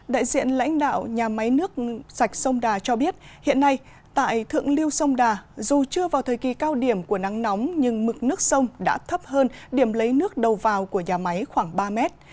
đại diện lãnh đạo nhà máy nước sạch sông đà cho biết hiện nay tại thượng lưu sông đà dù chưa vào thời kỳ cao điểm của nắng nóng nhưng mực nước sông đã thấp hơn điểm lấy nước đầu vào của nhà máy khoảng ba mét